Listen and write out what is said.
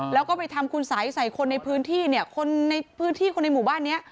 แล้วก็ไปทำคุณสัยใส่คนในพื้นที่เนี่ยคนในพื้นที่คนในหมู่บ้านเนี้ย